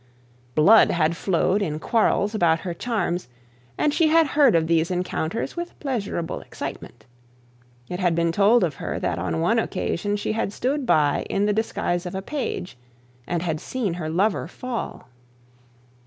Blood had flowed in quarrels about her charms, and she heard of these encounters with pleasurable excitement. It had been told of her that on one occasion she had stood by in the disguise of a page, and had seen her lover fall.